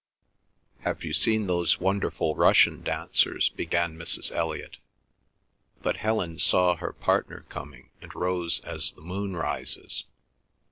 "Have you seen those wonderful Russian dancers?" began Mrs. Elliot. But Helen saw her partner coming and rose as the moon rises.